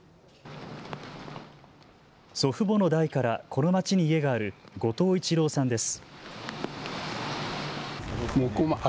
祖父母の代からこの町に家がある後藤市郎さんです。